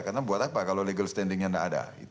karena buat apa kalau legal standingnya tidak ada